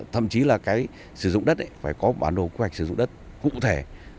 thậm chí là cái sử dụng đất phải có bản đồ quy hoạch sử dụng đất cụ thể